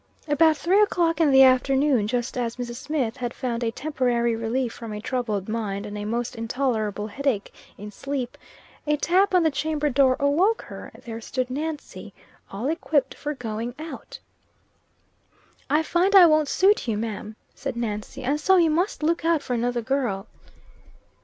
About three o'clock in the afternoon, just as Mrs. Smith had found a temporary relief from a troubled mind and a most intolerable headache, in sleep, a tap on the chamber door awoke her, there stood Nancy, all equipped for going out. "I find I won't suit you, ma'am," said Nancy, "and so you must look out for another girl."